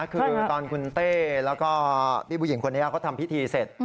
คือตอนคุณเต้แล้วก็พี่ผู้หญิงคนนี้เขาทำพิธีเสร็จ